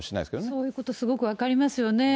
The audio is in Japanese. そういうこと、すごく分かりますよね。